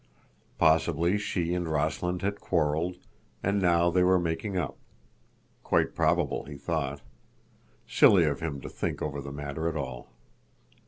Possibly she and Rossland had quarreled, and now they were making up. Quite probable, he thought. Silly of him to think over the matter at all.